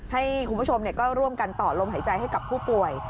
ให้คุณผู้ชมก็ร่วมกันต่อลมหายใจให้กับผู้ป่วย